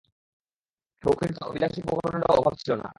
সৌখিনতা ও বিলাস-উপকরণেরও অভাব ছিল না।